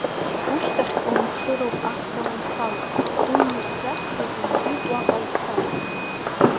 Ушьҭахьҟа умԥшыроуп ахра уанхало, умҩа изацлаӡом знык уаҟа ушәар.